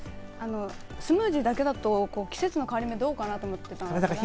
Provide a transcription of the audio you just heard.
朝、スムージーだけだと季節の変わり目はどうかなと思ってたんで。